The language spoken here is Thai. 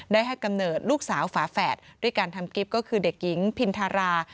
ได้ให้กำเนิดลูกสาวฝาแฝดด้วยการทำกิฟต์ก็คือเด็กหญิงพินทารา